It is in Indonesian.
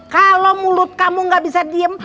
kalau mulut kamu gak bisa diem